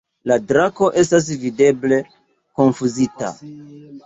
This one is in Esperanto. La drako estas videble konfuzita.